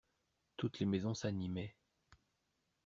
Toutes les maisons s'animaient.